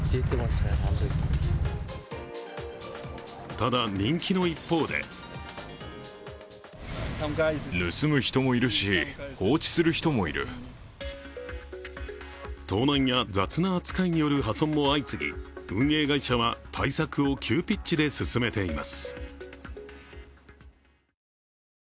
ただ、人気の一方で盗難や雑な扱いによる破損も相次ぎ、運営会社は対策を急ピッチで進めています。